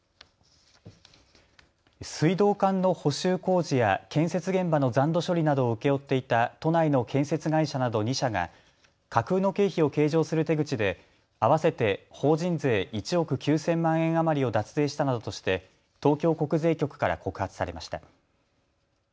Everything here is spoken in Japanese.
水道管の補修工事や建設現場の残土処理などを請け負っていた都内の建設会社など２社が架空の経費を計上する手口で合わせて法人税１億９０００万円余りを脱税したなどとして東京国税局から告発されました。